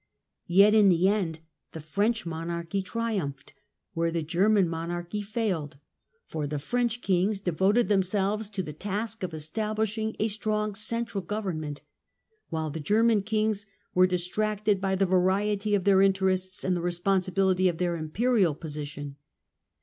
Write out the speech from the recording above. Yet in the end the French monarchy triumphed where the German monarchy failed, for the French kings devoted themselves to the task of estab lishing a strong central government, while the German kings were distracted by the variety of their interests and the responsibility of their imperial position.